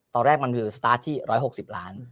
ตอนแรกมันคือสตาร์ทที่๑๖๐ล้าน